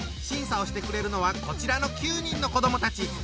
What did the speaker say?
審査をしてくれるのはこちらの９人の子どもたち。